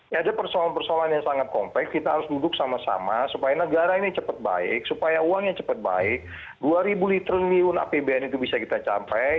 ya ada persoalan persoalan yang sangat kompleks kita harus duduk sama sama supaya negara ini cepat baik supaya uangnya cepat baik dua ribu liter miun apbn itu bisa kita capai